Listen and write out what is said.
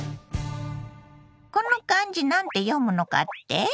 この漢字なんて読むのかって？